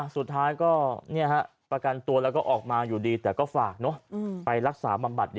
สุดท้ายก็ประกันตัวแล้วก็ออกมาอยู่ดีแต่ก็ฝากไปรักษาบำบัด